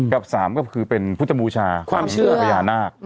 กับสามก็คือเป็นพุทธบูชาประยานาค